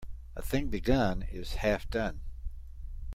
A thing begun is half done.